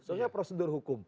soalnya prosedur hukum